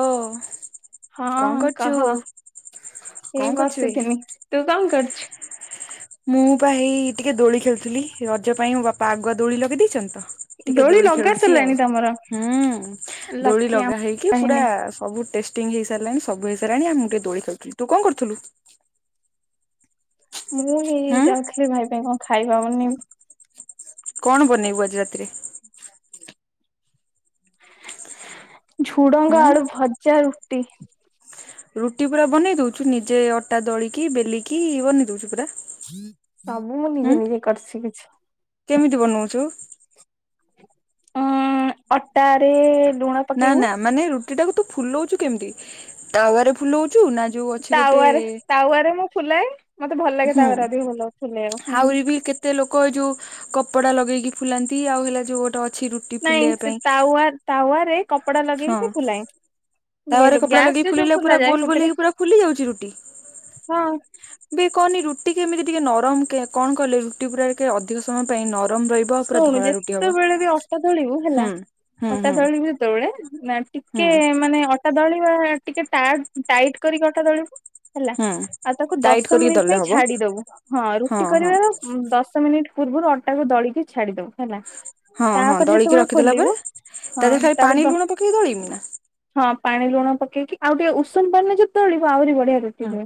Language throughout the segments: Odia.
ଓ। କଣ ହଁ କରୁଛୁ କହ ଏଇ କଣ କରୁଛୁ ବେ? ବସିଥିନି ତୁ କଣ କରୁଛୁ? ମୁଁ ବା ହେଇ ଟିକେ ଦୋଳି ଖେଳୁଥିଲି ରଜ ପାଇଁ ମୋ ବାପା ଆଗୁଆ ଦୋଳି ଲଗେଇ ଦେଇେଇଛନ୍ତି ତ। ଟିକେ ଦୋଳି ଲଗା ଖେଳୁଛି ସାରିଲାଣି ଆଉ ତମର ହୁଁ ଦୋଳି ଲକି ଆମ ଲଗା ହେଇକି ପୁରା କାହିଁନି ସବୁ ଟ ଟିଂ ହେଇସାରିଲାଣି ସବୁହେଇସାରିଲାଣି ଆ ମୁଁ ଟିକେ ଦୋଳି ଖେଳୁଥିଲି ତୁ କଣ କରୁଥିଲୁ? ମୁଁ ହେଇ ହୁଁ ଯାଉଥିଲି ଭାଇ ପାଇଁ କଣ ଖାଇବା ବନେଇବି। କଣ ବନେଇବୁ ଆଜି ରାତିରେ ଝୁଡଙ୍ଗ ହୁଁ? ଆଳୁ ଭଜା ରୁଟି। ରୁଟି ପୁରା ବନେଇ ଦଉଛୁ ନିଜେ ଅଟା ଦଳିକି ବେଲିକି ବନେଇ ଦଉଛୁ ପୁରା। ସବୁ ମୁଁ ହୁଁ? ନିଜେ ନିଜେ କରି ଶିଖିଛି। କେମିତି ବନଉଛୁ। ଉଁ ଅଟାରେ। ଲୁଣ ନା ପକେଇବୁ ନା ମାନେ ରୁଟି ଟାକୁ ତୁ ଫୁଲଉଛୁ କେମିତି ତାୱରେ ଫୁଲଉଛୁ ନା ଯୋଉ ଅଛି ଗୋଟେ ତାୱାରେ ତାୱାରେ ମୁଁ ଫୁଲାଏ ମତେ ଭଲ ଲାଗେ ତାୱାଟା ଅଧିକ ଭଲ ଫୁଲେଇବ ହୁଁ। ତେ ଲୋକ ଏଇ ଯୋଉ କପଡା ଲଗେଇକି ଫୁଲାନ୍ତି ଆଉ ହେଲା ଯୋଉ ଗୋଟେ ଅଛି ରୁ ନାଇଁ ସେ ତାୱା ତାୱାରେ କପଡ଼ା ହଁ ଲଗେଇକି ଫୁଲାଏ। ତାୱାରେ ବୁଝିପାଇଲୁ କପଡା ଲଗେଇ ଗ୍ୟାସରେ ଯୋଉ ଫୁଲିଲେ ପୁରା ଫୁଲା ଯାଏ ଗୋଲ ଗୋଲ ସେଥିରେ ହେଇକି ପୁରା ଫୁଲି ଯାଉଛି ରୁଟି। ହଁ। ବେ କହନି ରୁଟି କେମିତି ଟିକେ ନରମ କେ କଣ କଲେ ରୁଟି ପୁରା କେ ଅଧିକ ସମୟ ପାଇଁ ନରମ ରହି ଶୁଣୁ ଯେତେବେଳେ ବି ଅଟା ଦଳିବୁ ହୁଁ। ହେଲା ହୁଁ ଅଟା ହୁଁ ଦଳିବୁ ଯେତୋଳେ ନା ଟିକେ ହୁଁ ମାନେ ଅ ଅଟା ଦଳିବା ଟିକେ ଟା ଟାଇଟ୍ କରି ଅଟା ଦଳିବୁ। ହେଲା ହୁଁ ଆଉ ତାକୁ ଟାଇଟ୍ ଦଶ କରିକି ମିନିଟ୍ ଦଳିଲେ ପାଇଁ ହବ ଛାଡି ଦବୁ ହଁ ରୁଟି କରିବାର ଦଶ ମିନିଟ୍ ପୂର୍ବରୁ ଅଟାକୁ ଦଳିକି ଛାଡିଦବୁ ହେଲା। ହଁ ହଁ ତାପରେ ଦଳିକି ଯେତେବେଳେ ରଖିଦେଲା ପରେ ଖୋଲିବୁ ତା ହଁ ଦେହରେ ଖାଲି ପାଣି ତାପରେ ଲୁଣ ପକେଇକି ଦଳିବି ନା ହଁ ପାଣି ଲୁଣ ପକେଇକି ଆଉ ଟିକେ ଉଷୁମ ପାଣିରେ ଯଦି ଦଳିବ ଆହୁରି ବଢିଆ ରୁଟି ହଁ। ହୁଏ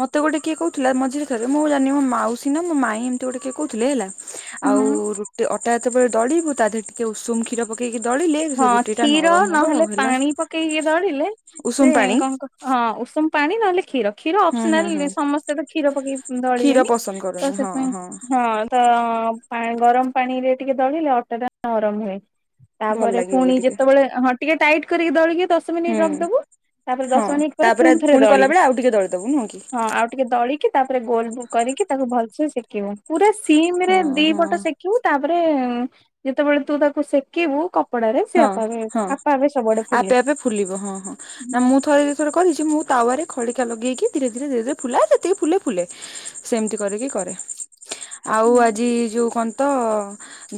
ମତେ ଗୋଟେ କିଏ କହୁଥିଲା ମଝିରେ ଥରେ ମୁଁ ଜାଣି ମୋ ମାଉସୀ ନା ମୋ ମାଇଁ ଏମିତି ଗୋଟେ କିଏ କହୁଥିଲେ ହେଲା ଆଉ ହୁଁ। ରୁଟି ଅଟା ଯେତେବେଳେ ଦଳିବୁ ତା ଦେହରେ ଟିକେ ଉଷୁମ କ୍ଷୀର ପକେଇକି ଦଳିଲେ ହଁ ସେ ରୁଟି ଟା କ୍ଷୀର ନରମ ହବ ଆଉ ନହେଲେ ହେଲା ପାଣି ପକେଇକି ଦଳିଲେ ସେ ଉଷୁମ ପାଣି କଣ କ ହଁ ଉଷୁମ ପାଣି ନହେଲେ କ୍ଷୀର। କ୍ଷୀର ହୁଁ ହୁଁ ହୁଁ ଅପସନାଲ ସମସ୍ତେ ତ କ୍ଷୀର ପକେଇ କ୍ଷୀର ଦଳିବେନି ପସନ୍ଦ ତ କରନି ହଁ ସେଥିପାଇଁ ହଁ। ତ ପା ଗରମ ପାଣିରେ ଟିକେ ଦଳିଲେ ଅଟଟା ନରମ ହୁଏ। ଭଲ ତାପରେ ଲାଗିବ ବି ପୁଣି ଟିକେ ଯେତୋବୋଳେ ହଁ ଟିକେ ଟାଇଟ୍ କରିକି ଦଳିକି ଦଶ ହୁଁ ମିନିଟ୍ ରଖିଦବୁ। ତାପରେ ହଁ ଦଶ ମିନିଟ୍ ପରେ ତାପରେ ପୁଣି ଥରେ କଲା ଦଳିବୁ ବେଳେ ଆଉ ଟିକେ ଦଳିଦବୁ ନୁହଁ କି ହଁ ଆଉ ଟିକେ ଦଳିକି ତାପରେ ଗୋଲ ଗୁ କରିକି ତାକୁ ଭଲସେ ସେକିବୁ ପୁରା ସିମ୍ ରେ ହଁ ଦି ହଁ ପଟ ସେକିବୁ ତାପରେ ଯେତେବେଳେ ତୁ ତାକୁ ସେକିବୁ କପଡାରେ। ସେ ହଁ ଆପେ ଆପେ ହଁ ଆପେ ଆପେ ସବୁଆଡେ ଫୁଲିବ। ଆପେ ଆପେ ଫୁଲିବ ହଁ ହଁ ନା ହୁଁ ମୁଁ ଥରେ କରିଛି ମୁଁ ତାୱରେ ଖଡିକା ଲଗେଇକି ଧୀରେ ଧୀରେ ଧୀରେ ଧୀରେ ଫୁଲାଏ ଯେତିକି ଫୁଲେ ଫୁଲେ। ସେମିତି କରିକି କରେ ଆଉ ହୁଁ ଆଜି ଯୋଉ କ ତ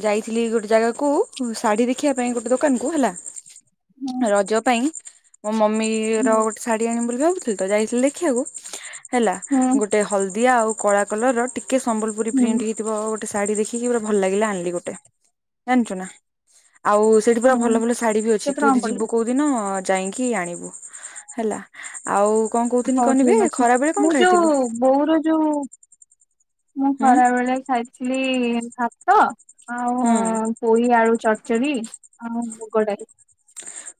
ଯାଇଥିଲି ଗୋଟେ ଜାଗାକୁ ଶାଢୀ ଦେଖିବା ପାଇଁ ଗୋଟେ ଦୋକାନ କୁ ହେଲା। ତ ହୁଁ ରଜ ପାଇଁ ମୋ ମମିର ଗୋଟେ ଶାଢୀ ଆଣିବି ବୋଲି ଅ ତୁ ତ ଯାଇଥିଲି ଦେଖିବାକୁ ହେଲା। ହୁଁ। ଟେ ହଳଦିଆ ଆଉ କଳା କଲର ଟିକେ ସମ୍ବଲପୁରୀ ହୁଁ ହୁଁ ପ୍ରିଣ୍ଟ ହି ଥିବ ଗୋଟେ ଶାଢ଼ୀ ଦେଖିକି ପୁରା ଭଲ ଲାଗିଲା ଆଣିଲି ଗୋଟେ ଜାଣିଚୁ ନାଁ? ଆଉ ସେଇଠି ପୁରା ହୁଁ ଭଲ ଭଲ ଶାଢ଼ୀ ବି ଅଛି କେତେ ତୁ ଟଙ୍କା ଯି ପଡିଲା? ଯିବୁ କୋଉଦିନ ଯାଇକି ଆଣିବୁ ହେଲା। ଆଉ କଣ କହୁଥିଲି ହଉ କନିବେ ଠିକ ଅଛି ଖରା ବେଳେ ମୁଁ କଣ ଯୋଉ ଖାଇଥିଲୁ? ବୋଉର ଯୋଉ, ମୁଁ ହୁଁ ଖରା ବେଳେ ଖାଇଥିଲି ଭାତ। ଆଉ ହୁଁ ପୋୋଇ ଆଳୁ ଚଡଚଢି ଆଉ ମୁଗଡାଲି।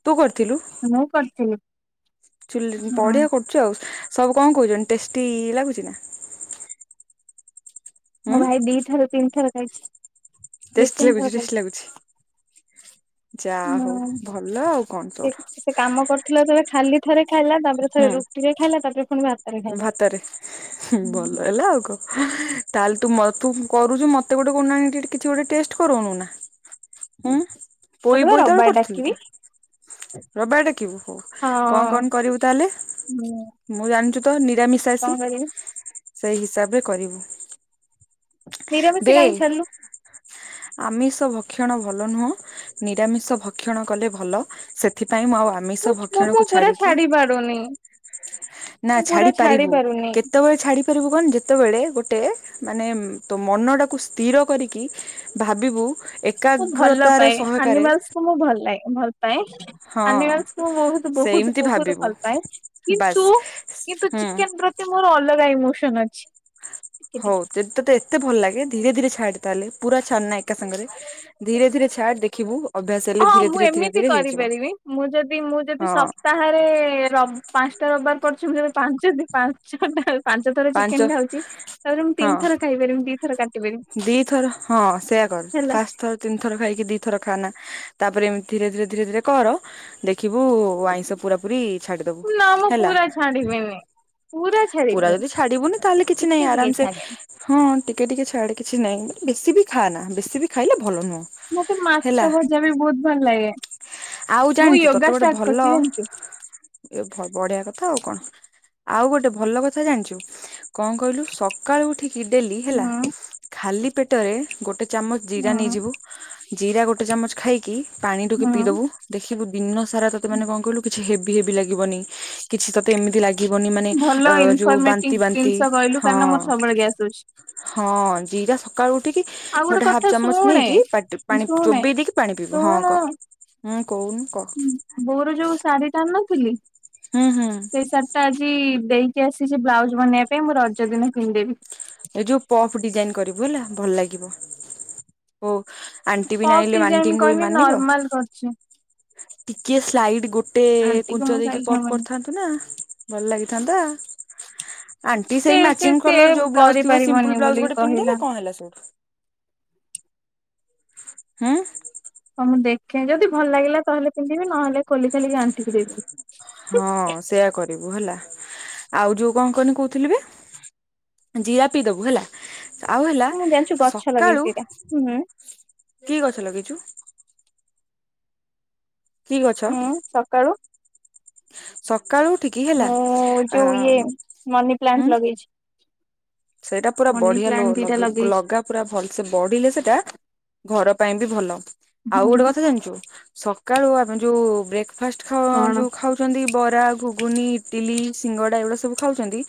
ତୁ କରିଥିଲୁ? ମୁଁ କରିଥିଲି। ଚୁଲି ହୁଁ ବଢ଼ିଆ କରୁଚୁ ଆଉ ସବୁ କଣ କହୁଛନ୍ତି ଟେଷ୍ଟି ଲାଗୁଚି ନା? ଉଁ ମୋ ଭାଇ ଦିଇ ଥର ତିନ ଖାଇଛି। ଦି ଟେଷ୍ଟି ତିନି ଥର ଲାଗୁଚି ଟେଷ୍ଟି ଖାଇଛି ଲାଗୁଛି। ଯା ହଉ ହୁଁ। ଭଲ ଆଉ କଣ ସେ ତୋର। ସେ କାମ କରୁଥିଲା ଯେତୋଳେ ଖାଲି ଥରେ ଖାଇଲା ତାପରେ ଥରେ ହୁଁ ରୁଟିରେ ଖାଇଲା ତାପରେ ପୁଣି ଭାତରେ ଖାଇଲା। ଭାତରେ ହୁଁ ଭଲ ହେଲା ଆଉ କଣ? ତାହେଲେ ତୁ ତୁ କରୁଛୁ ମତେ ଗୋଟେ କିଛି ଗୋଟେ ଟେଷ୍ଟ କରଉନୁ ନା। ଉଁ‌? ପୋଇ ତତେ ବା ବୋଇତଳୁ ରବିବାର କରୁଥିଲୁ ତ ଡାକିବି ରବାରେ ହୋଉ ହଁ କଣ କଣ କରିବୁ ତାହେଲେ ହୁଁ ମୁଁ ଜାଣିଚୁ ତ ନିରାମିଶି କଣ କରିବି ସେଇ ହିସାବ ରେ କରିବୁ। ବେ ନିରାମିଷ କାହିଁ ଛାଡିଲୁ ଆମିଷ ଭକ୍ଷଣ ଭଲ ନୁହଁ, ନିରାମିଷ ଭକ୍ଷଣ କଲେ ଭଲ। ସେଥିପାଇଁ ମୁଁ ଆଉ ଆମିଷ ଭକ୍ଷଣକୁ ଛାଡିକି ଟୁନି ନା ଛାଡି ପାରିବୁ, ପାରୁନି କେତେବେଳେ ଛାଡି ପାରିବୁ କହନି ଯେତେବେଳେ ଗୋଟେ ମାନେ ତୋ ମନ ଟାକୁ ସ୍ଥିର କରିକି ଭାବିବୁ ମୁଁ ଭଲ ଏକାଗ୍ରତାର ପାଏ ସହକାରେ ଆନିମଲସକୁ ମୁଁ ଭଲ ଲାଗେ ଭଲ ପାଏ ହଁ ଆନିମାଲ ମୁଁ ବହୁତ ବହୁତ ସେମିତି ବହୁତ ଭାବିବୁ ଭଲ ପାଏ ବାସ୍ କିନ୍ତୁ କିନ୍ତୁ ହୁଁ ଚିକେନ ପ୍ରତି ମୋର ଅଲଗା ଇମୋସନ ଅଛି। ଟିକେ ହଉ ଟିକେ। ଯଦି ତତେ ଏତେ ଭଲ ଲାଗେ ଧୀରେ ଧୀରେ ଛାଡେ ତାହେଲେ, ପୁରା ଛାଡ ନା ଏକା ସାଙ୍ଗରେ। ଧୀରେ ଧୀରେ ଛାଡ ଦେଖିବୁ ଅଭ୍ୟାସ ହେଲେ ହଁ ଧୀରେ ମୁଁ ଧୀରେ ଧୀରେ ଏମିତି ଧୀରେ ହେଇଯିବ କରିପାରିବି ମୁଁ ଯଦି ମୁଁ ଯଦି ହଁ ସପ୍ତାହ ବାରେ ପାଞ୍ଚଟା ରବିବାର ପଡୁଛି ମୁବେ ପାଞ୍ଚ ପାଞ୍ଚ ପାଞ୍ଚ ଥର ଚିକେନ ଖାଉଛି ତାପରେ ମୁଁ ତିନିଥର ଖାଇ ପାରିବି ଦିଥର କାଟି ପାରିବି। ଦି ଥର ହଁ ସେଇୟା କର ଫାଷ୍ଟ ଥର ତିନିଥର ଖାଇକି ଦି ଥର ଖାନା ତାପରେ ଏମତି ଧୀରେ ଧୀରେ ଧୀରେ ଧୀରେ କର ଦେଖିବୁ ଆଇଁଷ ପୁରା ପୁରୀ ଛାଡିଦବୁ ନା ମୁଁ ହେଲା ପୁରା ଛାଡିବିନି ପୁରା ପୁରା ଛାଡିବିନି ଯଦି ଡିବୁନି ତାହେଲେ କିଛି ନାହିଁ ଟିକେ ଟିକେ ଆରାମ ସେ ଛାଡେ ହଁ ଟିକେ ଟିକେ ଛାଆଡେ କିଛି ନାହିଁ, ବେଶୀ ବି ଖାଆ ନା ବେଶୀ ବି ଖାଇଲେ ଭଲ ନୁହଁ। ମତେ ହେଲା ମାଛ ଭଜା ବି ବହୁତ ଭଲ ଲାଗେ ଆଉ ମୁଁ ଜାଣିଛୁ ୟୋଗା ତତେ ଗୋଟେ ଷ୍ଟାର୍ଟ ଭଲ କରିଛି ଜାଣିଛୁ? ଏ ବଢିଆ କଥା ଆଉ କଣ, ଆଉ ଗୋଟେ ଭଲ କଥା ଜାଣିଛୁ? କଣ କହିଲୁ ସକାଳୁ ଉଠିକି ଡେଲି ହେଲା ହୁଁ ଖାଲି ପେଟରେ ଗୋଟେ ଚାମଚ ଜିରା ହୁଁ ନେଇଯିବୁ ଜିରା ଗୋଟେ ଚାମଚ ଖାଇକି ପାଣି ଟୋପେ ହୁଁ ପିଇଦବୁ ଦେଖିବୁ ଦିନ ସାରା ତତେ ମାନେ କଣ କହିଲୁ କିଛି ହେବି ହେବି ଲାଗିବନି କିଛିତତେ ଏମିତି ଲାଗି ଗିବନି ମାନେ ଅଯୋଉ ବାନ୍ ତିନ୍ସ କହିଲୁ କାହିଁକି ନା ମୋର ସବୁବେଳେେ ଗ୍ୟାସ ହୋଉଛି। ହଁ ଜିରା ସକାଳୁ ଉଠିକି ଆଉ ଗୋଟେ କଥା ହାଫ ଚାମଚ ଶୁଣେ ନେଇକି ପାଟି ପାଣି ଶୁଣେ ଚୋବେଇ ଦେଇକି ପାଣି ପିବ ହଁ ଶୁଣୁ କହ। ହୁଁ କହୁନୁ କ। ଵଉର ଯୋଉ ଶାଢୀ ଟା ଆଣିନଥିଲି ହୁଁ ହୁଁ। ସେଇ ସାରୀ ଟା ଆଜି ଦେଇକି ଆସିଛି ବ୍ଲାଉଜ ବନେଇବା ପାଇଁ ମୁଁ ରଜ ଦିନ ପିନ୍ଧିଦେବି। ଏ ଯୋଉ ପପ୍ ଡିଜାଇନ କରିବୁ ହେଲା ଭଲ ଲାଗିବ ଓ ଆଣ୍ଟି ବି ପପ୍ ନାଇଲେ ଡିଜାଇନ ଆଣ୍ଟିକୁ କରିନି ମାନିବ [unintelligible] ଟିକେ ସ୍ଲାଇଡ ଗୋଟେ ଆଣ୍ଟିକୁ କୁଞ୍ଚ ମୁଁ ଦେଇକି ସାଇଜ ପପ୍ ହବନି। କରିଥାନ୍ତୁ ସିନା ଭଲ ଲାଗିଥାନ୍ତା ଆଣ୍ଟି ସେ ସେଇ ସେ ମେଚିଂ ସେ କଲର ଯୋଉ ବ୍ଲାଉଜ ଥିବ କରିପାରିବନି ସିମ୍ପୁଲ ବ୍ଲାଉଜ ବୋଲି ଗୋଟେ କହିଲା। ପିନ୍ଧିଦେବେ କଣ ହେଲା ସେଇଟୁ। ହୁଁ ହଁ ମୁଁ ଦେଖେ ଯଦି ଭଲ ଲାଗିଲା ତାହେଲେ ପିନ୍ଧିବି ନହେଲେ ଖୋଲି ଖାଲିକି ଆଣ୍ଟିକି ଦେବି। ହଁ ସେୟା କରିବୁ ହେଲା। ଆଉ ଯୋଉ କଣ କନି କହୁଥିଲି ବେ ଜିରା ପିଇ ଦବୁ ହେଲା। ଆଉ ହେଲା ମୁଁ ଜାଣିଛୁ ଗଛ ଲଗେଇଛି ସକାଳୁ, ଦିଟା ହୁଁ କି ଗଛ ଲଗେଇଛୁ? କି ଗଛ? ହୁଁ ସକାଳୁ ସକାଳୁ ଉଠିକି ହେଲା ମୁଁ ଆ ଯୋଉ ଇଏ ମନି ଉଁ ପ୍ଲାଣ୍ଟ ଲଗେଇଛି। ସେଇଟା ପୁରା ମନି ବଢିଆ ଲ ପ୍ଲାଣ୍ଟ ଦିଟା ଲୁ ଲଗେଇଛି। ଲଗା ପୁରା ଭଲସେ ବଢିଲେ ସେଟା ଘର ପାଇଁ ବି ଭଲ। ଆଉ ହୁଁ ଗୋଟେ କଥା ଜାଣିଛୁ ସକାଳୁ ଆମେ ଯୋଉ ବ୍ରେକଫାଷ୍ଟ ଖା ଯଉ କଣ? ଖାଉ ଖାଉଚନ୍ତି ବରା ଘୁଗୁନି ଇଟିଲି ସିଙ୍ଗଡା ଏଗୁଡା ସବୁ ଖାଉଛନ୍ତି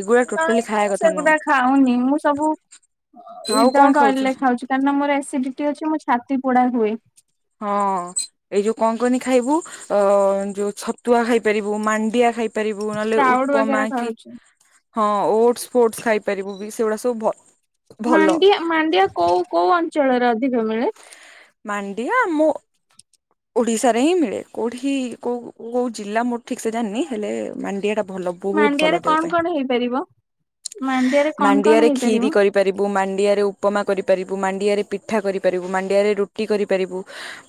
ଏଗୁଡା ଟୋଟାଲି ଖାଇବା କ ସେଗୁଡ଼ା ଖାଉନି ମୁଁ ସବୁ, [inaudible] ଆଉ କଣ ଉଇଦାଉଟ୍ ଖାଉଛୁ ଅଏଲରେ ଖାଉ ଉଚି କାହିଁକିନାଁ ମୋର ଏସିଡିଟି ଅଛି ମୋ ଛାତି ପୋଡ଼ା ହୁଏ। ହଁ ଏଇ ଯୋଉ କଣ କନି ଖାଇବୁ ଅ ଯୋଉ ଛ ତୁଆ ଖାଇ ପାରିବୁ ମାଣ୍ଡିଆ ଖାଇ ପାରିବୁ ନହେଲେ ସ୍ପ୍ରାଉଟ୍ ଉପମା ବଗେରା କି ଖାଉଛି। ହଁ ଓଟସ ଫୋଟସ ଖାଇପାରିବୁବି ସେଗୁଡ଼ା ସବୁ ଭ ଭଲ ମାଣ୍ଡିଆ ମାଣ୍ଡିଆ କୋଉ, କୋଉ ଅଞ୍ଚଳରେ ଅଧିକ ମିଳେ? ମାଣ୍ଡିଆ ମୁଁ ଓଡ଼ିଶାରେ ହିଁ ମିଳେ କୋଉଠି କୋଉ, କୋଉ ଜିଲ୍ଲା ମୁଁ ଠିକିସେ ଜାଣିନି ହେଲେ ମାଣ୍ଡିଆଟା ଭଲ ବହୁତ୍ ମାଣ୍ଡିଆରେ ଭଲ ଦେହ କଣ ପାଇଁ କଣ ହେଇପାରିବ? ମାଣ୍ଡିଆରେ କଣ କଣ ମାଣ୍ଡିଆରେ ହେଇପାରିବ? ଖିରି କରି ପାରିବୁ ମାଣ୍ଡିଆରେ ଉପମା କରିପାରିବୁ ମାଣ୍ଡିଆରେ ପିଠା କରିପାରିବୁ ମାଣ୍ଡିଆରେ ରୁଟି କରିପାରିବୁ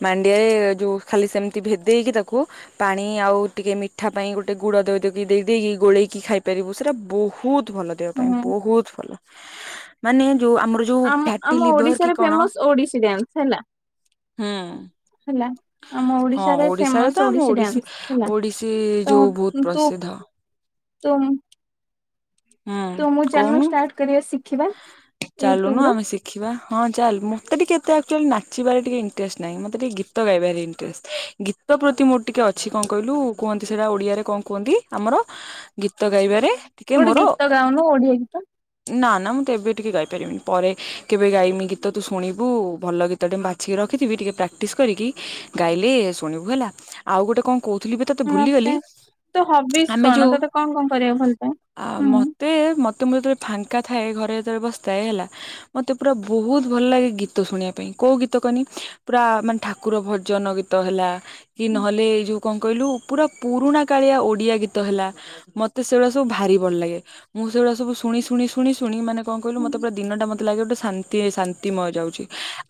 ମାଣ୍ଡିଆରେ ଯୋଉ ଖାଲି ସେମିତି ଭେଦେଇକି ତାକୁ ପାଣି ଆଉ ଟିକେ ମିଠା ପାଇଁ ଗୋଟେ ଗୁଡ଼ ଧୋଇଦେଇକି ଦେଇକି ଗୋଳେଇକି ଖାଇପାରିବୁ ସେଇଟା ବହୁତ୍ ଭଲ ଦେହ ପାଇଁ ହୁଁ ବହୁତ୍ ଭଲ ମାନେ ଯୋଉ ଆମର ଯୋଉ ଆମ ଫ୍ୟାଟି ଆମ ଲିଭର କି ଓଡିଶାରେ କଣ ଫେମସ୍ ଓଡିଶୀ ଡ୍ୟାନ୍ସ ହେଲା ହୁଁ ହେଲା ଆମ ହଁ ଓଡିଶାରେ ତ ଫେମସ୍ ଆମ ଓଡିଶୀ ଡ୍ୟାନ୍ସ ଓଡିଶୀ ହେଲାତ ଯୋଉ ବହୁତ ତୁ ପ୍ରସିଦ୍ଧ ତୁମ୍ ହୁଁ ତୁ ମୁଁ ଚାଲୁନୁ କହୁନୁ ଷ୍ଟାର୍ଟ କରିବା ଶିଖିବା? ୟୁଟ୍ୟୁବ ଚାଲୁନୁ ରୁ ଆମେ ଶି ଖିବା ହଁ ଚାଲ, ମତେ ଟିକେ ଏତେ ଆକ୍ଚଲି ନାଚିବାରେ ଟିକେ ଇଣ୍ଟରେଷ୍ଟ ନାହିଁ ମତେ ଟିକେ ଗୀତ ଗାଇାରେ ଇଣ୍ଟରେଷ୍ଟ ଗୀ ତ ପ୍ରତି ମୋର ଟିକେ ଅଛି କଣ କହିଲୁ କୁଅନ୍ତି ସେଇଟା ଓଡିଆରେ କଣ କୁଅନ୍ତି ଆମର ଗୀତ ଗାଇବାରେ ଟିକେ ଗୋଟେ ମୋର ଗୀତ ଗାଉନୁ ଓଡିଆ ଗୀତ। ନାଁ ନାଁ ମୁଁ ଏବେ ଟିକେ ଗାଇ ପାରିବିନି ପରେ କେବେ ଗାଇମି ଗୀତତୁ ଶୁଣିବୁ ଭଲ ଗୀତଟେ ବା ଛିକି ରଖିଥିବି ଟିକେ ପ୍ରାକ୍ଟିସ୍ କରିକି ଗାଇଲେ ଶୁଣିବୁ ହେଲା ଆଉ ଗୋଟେ କଣ କହୁଥିଲିବି ତତେ ଭୁଲିଗଲି ମତେ ତୋ ହବିଜ ଆମେ କଣ ଯୋଉ ତତେ କଣ କଣ କରିବାକୁ ଭଲ ପାଏ? ଆ ହୁଁ ମତେ ମତେ ମୁଁ ଯେତେବେଳେ ଫାଙ୍କା ଥାଏ ଘରେ ଯେତେବେଳେ ବସିଥାଏ ହେଲା ମତେ ପୁରା ବହୁତ୍ ଭଲ ଲାଗେ ଗୀତ ଶୁଣିବା ପାଇଁ କୋଉ ଗୀତ କନି ପୁରା ମାନେ ଠାକୁର ଭଜନ ଗୀ ତ ହେଲା କି ନହେଲେ ଏଇ ଯୋଉ କଣ କହିଲୁ ପୁରା ପୁରୁଣା କାଳିଆ ଓଡିଆ ଗୀତ ହେଲା ମତେ ସେଗୁଡ଼ା ସବୁ ଭାରି ଭଲ ଲାଗେ ମୁଁ ସେଗୁଡ଼ା ସବୁ ଶୁଣି ଶୁଣି ଶୁଣି ଶୁଣି ମାନେ କଣ କହିଲୁ ମତେ ହୁଁ ପୁରା ଦିନଟା ମତେ ଲାଗେ ଗୋଟେ ଶାନ୍ତି ଶାନ୍ତିମୟ ଯାଉଚି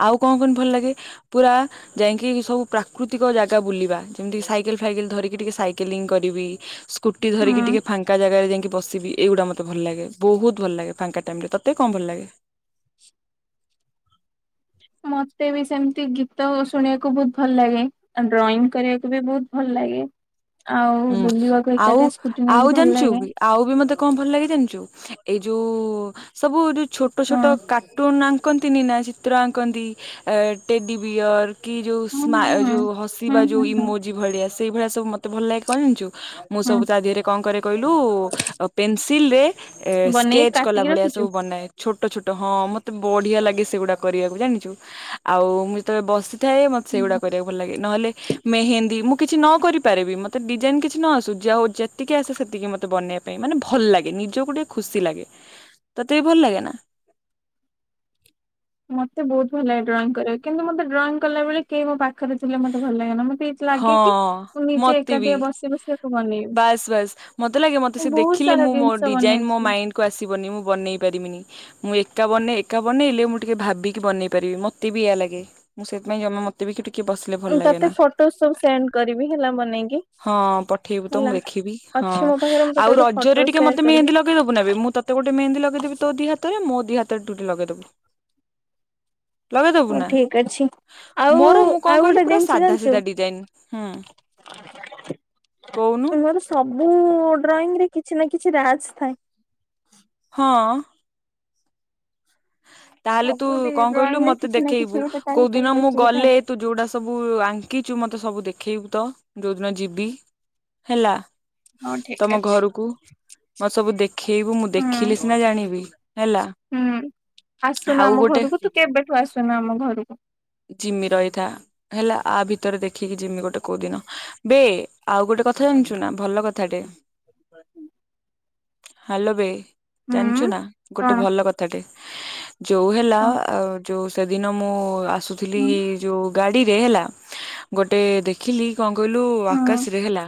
ଆଉ କଣ କହନି ଭଲ ଲାଗେ ପୁରା ଯାଇକି ସବୁ ପ୍ରାକୃତିକ ଜାଗା ବୁଲିବା ଯେମିତି ସାଇକେଲ ଫାଇକେଲ ଧରିକି ଟିକେ ସାଇକେଲିଂ କରିବି ସ୍କୁଟି ଧରିକି ଟିକେ ଫାଙ୍କା ଜାଗାରେ ଯାଇକି ବସିବି ଏଗୁଡ଼ା ମତେ ଭଲ ଲାଗେ ବହୁତ୍ ଭଲ ଲାଗେ ଫାଙ୍କା ଟାଇମରେ ତତେ କଣ ଭଲ ଲାଗେ? ମତେବି ସେମିତି ଗୀତ ଶୁଣିବାକୁ ବହୁତ୍ ଭଲ ଲାଗେ। ଆଉ ଡ୍ରଇଂ କରିବାକୁବି ବହୁତ୍ ଭଲ ଲାଗେ। ଆଉ ହୁଁ। ବୁଲିବାକୁ ଏକାଟିଆ ସ୍କୁଟି ନେଇକି ଭଲ ଲାଗେ। ଆଉବି ମତେ କଣ ଭଲ ଲାଗେ ଜାଣିଚୁ ଏଇ ଯୋଉ ସବୁ ଯୋଉ ଛୋଟ ହଁ ଛୋଟ କା ଟୁନ୍ ଆଙ୍କନ୍ତିନିନା ଚିତ୍ର ଆଙ୍କନ୍ତି ଟେଡି ବିୟର୍ କି ଯୋଉ ହୁଁ ସ୍ମ ହୁଁ ଯୋଉ ହୁଁ ହସିବା ଯୋଉ ହୁଁ ହୁଁ ଇମୋଜି ଭଳିଆ ସେଇ ଭଳିଆ ସବୁ ମତେ ଭଲ ଲାଗେ କଣ ଜାଣିଚୁ? ମୁଁ ହୁଁ ସବୁ ତାଦିହରେ କଣ କରେ କହିଲୁ ପେନସିଲରେ ଏ ହୁଁ ବନେଇକି ସ୍କେଚ କଲା କାଟିକି ଭଳିଆ ରଖିଛୁ? ସବୁ ବନାଏ। ଛୋଟ ଛୋଟ ହଁ ମୋତେ ବଢ଼ିଆ ଲାଗେ ସେଗୁଡ଼ା କରିବାକୁ ଜାଣିଚୁ ଆଉ ମୁ ତେବେ ବସିଥାଏ ମତେ ସେଗୁଡ଼ା ହୁଁ, କରିବାକୁ ଭଲ ଲାଗେ ନହେଲେ ମେହେନ୍ଦୀ ମୁଁ କିଛି ନକରିପାରେବି ମତେ ତ ଡିଜାଇନ କିଛି ନଆସୁ ଯାଉ ଯେତିକି ଆସେ ସେତିକି ମତେ ବନେଇବା ପାଇଁ ମାନେ ଭଲ ଲାଗେ ନିଜକୁ ଟିକେ ଖୁସି ଲାଗେ। ତତେବି ଭଲ ଲାଗେନା? ମତେ ବହୁତ୍ ଭଲ ଲାଗେ ଡ୍ରଇଂ କରିବାକୁ କିନ୍ତୁ ମତେ ଡ୍ରଇଂ କଲା ବେଳେ କେହି ମୋ ପାଖରେ ଥିଲେ ମତେ ଭଲ ଲାଗେନ ମତେ ଲାଗେକି ହଁ ମୁଁ ନିଜେ ମତେ ବି ଏକାଟିଆ ବସି ବସି ଆକୁ ବନେଇବି ବାସ୍ ବାସ୍ ମତେ ଲାଗେ ମତେ ମୁଁ ସେ ବହୁତ ଦେଖିଲେ ସାରା ମୁଁ ମୋ ଜିନିଷ ଡିଜାଇନ୍ ମୋ ବନେଇଥିଲି। ମାଇଣ୍ଡି କୁ ଆସିବନି ମୁଁ ବନେଇ ପାରିବିନି। ମୁଁ ଏକା ବନେଇ ଏକା ବନେଇଲେ ମୁଁ ଟିକେ ଭାବିକି ବନେଇ ପାରିବି ମତେ ବି ଏଇୟା ଲାଗେ। ମୁଁ ସେଥିପାଇଁ ଜମା ମତେ ବି କି ଟିକେ ବସ୍ ବା ଭଲ ଲାଗେ ତତେ ନା, ଫଟୋ ସବୁ ସେଣ୍ଡ କରିବି ହେଲା ବନେଇକି। ହଁ ପଠେଇବୁ ତ ମୁଁ ହେଲା ଦେଖିବି। ହଁ ଅଛି ମୋ ପାଖରେ ମୁଁ ତତେ ଆଉ ଗୋଟେ ରଜରେ ଫଟୋ ଟିକେ ସେୟାର ମତେ କରିବି ମେହେନ୍ଦି ଲଗ୍ ଲଗେଇ ଦବୁ ନା ବେ ମୁଁ ତତେ ଗୋଟେ ମେହେନ୍ଦି ଲଗେଇ ଦେବି ତୋ ଦି ହାତରେ ମୋ ଦି ହାତରେ ତୁ ଟିକେ ଲଗେଇଦବୁ। ଲଗେଇଦବୁ ହଉ ନା ଠିକ ଅଛି। ଆଉ ମୋର ମୁଁ କଣ ଆଉ କହିଲୁ ଗୋଟେ ପୁରା ଜିନିଷ ସାଧା ଜାଣିଛୁ ସିଧା ଡିଜାଇନ। ହୁଁ, କୋଉନୁ ମୋର ସବୁ ଡ୍ରଇଂ ରେ କିଛି ନା କିଛି ରାଜ ଥାଏ। ହଁ! ତାହେଲେ ତୁ ସବୁଠି କଣ ଡ୍ରଇଂ କହିଲୁ ରେ ମତେ କିଛି ନା କିଛି ଦେଖେଇବୁ ଗୋଟେ ତା କୋଉ ଦିନ ଭିତରେ ମୁଁ ଲୁଚିକି ଥାଏ। ଗଲେ ତୁ ଯୋଉଡା ସବୁ ଆଙ୍କିଛୁ ମତେ ସବୁ ଦେଖେଇବୁ ତ ଯୋଉ ଦିନ ଯିବି। ହେଲା। ହଉ ଠିକ ତମ ଅଛି ଘରକୁ, ମତେ ସବୁ ଦେଖେଇବୁ ମୁଁ ହୁଁ ଦେଖିଲେ ସିନା ଜାଣିବି। ହେଲା। ହୁଁ ଆସୁନୁ ଆଉ ଆମ ଗୋଟେ ଘରକୁ ତୁ କେବେଠୁ ଆସୁନୁ ଆମ ଘରକୁ। ଜିମି ରହିଥା ହେଲା ଆ ଭିତରେ ଦେଖିକି ଜିମି ଗୋଟେ କୋଉଦିନ। ବେ ଆଉ ଗୋଟେ କଥା ଜାଣିଛୁ ନା ଭଲ କଥାଟେ ହ୍ୟାଲୋ ବେ। ଜାଣିଛୁ ହୁଁ। ନା ଗୋଟେ କଣ ଭଲ କଥାଟେ ଯୋଉ ହେଲା କଣ ଅ ଯୋଉ ସେଦିନ ମୁଁ ଆସୁଥିଲି ହୁଁ ଯୋଉ ଗାଡିରେ ହେଲା ଗୋଟେ ଦେ ଖିଲି କଣ କହିଲୁ ହୁଁ ଆକାଶରେ ହେଲା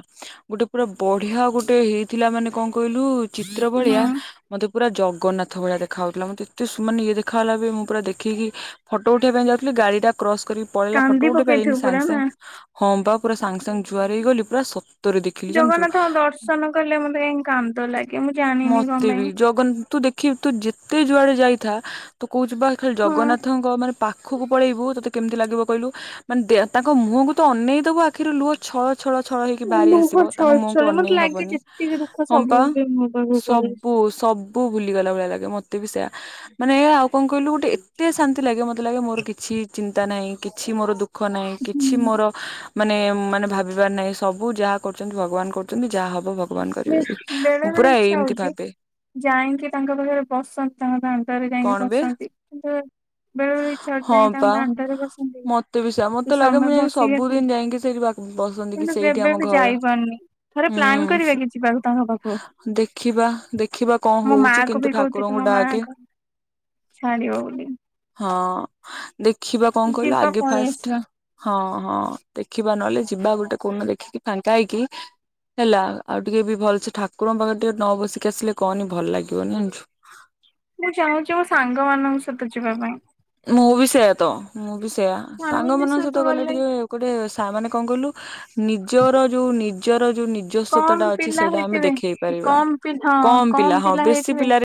ଗୋଟେ ପୁରା ବଢିଆ ଗୋଟେ ହେଇଥିଲା ମାନେ କଣ କହିଲୁ ଚିତ୍ର ଭଳିଆ ହୁଁ ମତେ ପୁରା ଜଗନ୍ନାଥ ଭଳିଆ ଦେଖା ହଉଥିଲା ମତେ ଏତେ ସୁ ମାନେ ଇଏ ଦେଖାହେଲା ବେ ମୁଁ ପୁରା ଦେଖିକି ଫଟୋ ଉଠେଇବା ପାଇଁ ଯାଉଥିଲି ଗାଡି ଟା କ୍ରସ କରିକି ପଳେଇଲା କାନ୍ଦି ଫଟୋ ଉଠେଇ ପାଇଲିନି ପକେଇଥିବୁ ପୁରା ସାଙ୍ଗ ନା। ସାଙ୍ଗ ହଁ ବା ପୁରା ସାଙ୍ଗ ସାଙ୍ଗ ଜୁହାର ହେଇଗଲି ପୁରା ସ ଜଗନ୍ନାଥଙ୍କ ଦର୍ଶନ କଲେ ମତେ କାହିଁକ କାନ୍ଦ ଲାଗ ମତେ ବି ଜଗନ୍ନା ତୁ ଦେଖିବି ତୁ ଯେତେ ଯୁଆଡେ ଯାଇଥା ତୁ କହୁଛୁ ବା ଖାଲି ହଁ। ଜଗନ୍ନାଥ ଙ୍କ ମାନେ ପାଖକୁ ପଳେଇବୁ ତୋତେ କେମିତି ଲାଗିବ କହିଲୁ ମାନେ ଦେ ତାଙ୍କ ମୁହଁକୁ ତ ଅନେଇଦବୁ ଆଖିରୁ ଲୁହ ଛ ଛଳ ଛଳ ହେଇକି ବାହାରି ଲୁହ ଆସିବ ତାଙ୍କ ମୁହଁକୁ ଛଳଛଳି ମତେ ଅନେଇ ଲାଗେ ହବନି ଯେତିକି ଦୁଃଖ ହଁ ପା [unintelligible] ସବୁ ସବୁ ଭୁଲିଗଲା ଭଳିଆ ଲାଗେ ମତେ ବି ସେୟା ମାନେ ଏଆ ଆଉ କଣ କହିଲୁ ଗୋଟେ ଏତେ ଶାନ୍ତି ଲାଗେ ମତେ ଲାଗେ ମୋର କିଛି ଚିନ୍ତା ନାହିଁ କିଛି ମୋର ଦୁଃ ଖ ନାହିଁ କିଛି ଆସୁଛି। ମୋର ମାନେ ମାନେ ଭାବିବାର ନାହିଁ ସବୁ ଯାହା କରୁଛନ୍ତି ଭଗବାନ କରୁଛନ୍ତି ଯାହା ହବ ଭ ଭଗବାନ ବେ କରିବେ ବି ବେଳେ ମୁଁ ବେଳେ ପୁରା ଇଚ୍ଛା ଏମିତି ହଉଛି ଭାବେ ଯାଇକି ତାଙ୍କ ପାଖରେ ବସନ୍ତି ତାଙ୍କ ଦାଣ୍ଡରେ ଯାଇଁକି କଣ ବେ ବସନ୍ତି କିନ୍ତୁ ବେଳେବେଳେ ଇଚ୍ଛା ହଉଛି ହଁ ଯାଇଁକି ତାଙ୍କ ପା ଦାଣ୍ଡରେ ବସନ୍ତି କି ମତେ ବି ସେୟା ମତେ କିଛି ଲାଗେ ମୁଁ ସମୟ ଯାଇକି ବସିକି ଆସନ୍ତି ସବୁଦିନ ଯାଇକି ସେଇଠି ବା ବସନ୍ତି କି କିନ୍ତୁ ସେଇଠି କେବେ ଆମ ବି ଘର। ଯାଇପାରୁନି ଥରେ ପ୍ଲାନ କରିବା ହୁଁ କି ଯିବାକୁ ତାଙ୍କ ପାଖକୁ ଦେଖିବା ଦେଖିବା କଣ ମୋ ମା ହଉଛି କୁ ବି କିନ୍ତୁ ଠାକୁରଙ୍କୁ ଡାକେ ଛାଡ଼ିବ ବୋଲି ହଁ ଦେଖିବା କଣ କହିଲ ଯିବା ଆଗେ ପଳେଇ ଫାଷ୍ଟ୍ ଆସିବା ହଁ ହଁ ଦେଖିବା ନହେଲେ ଯିବା ଗୋଟେ କୋଉଦିନ ଦେଖିକି ଫାଙ୍କା ହେଇକି ହେଲା ଆଉ ଟିକେ ବି ଭଲସେ ଠାକୁରଙ୍କ ପାଖରେ ଟିକେ ନ ବସିକି ଆସିଲେ କହନି ଭଲ ଲାଗିବନି ଜାଣିଛୁ। ମୁଁ ଚାହୁଁଛି ମୋ ସାଙ୍ଗମାନଙ୍କ ସହିତ ଯିବା ପାଇଁ ମୁଁ ବି ସେଇୟା ତ ମୁଁ ବି ସେଇୟା ସାଙ୍ଗମାନଙ୍କ ସହିତ ଗଲେ ଟିକେ ଗୋଟେ ସା ମାନେ କଣ କହିଲୁ ନିଜର ଯୋଉ ନିଜର ଯୋଉ ନି ନିଜଶ୍ଵତ ଟା କମ ଅଛି ପିଲା ସେଇଟା ଆମେ ହେଇଥିବେ ଦେଖେଇ ପାରିବା କମ ପି ହଁ କମ ପିଲା ହଁ ବେଶି ହେଇଥିବେ ପିଲାରେ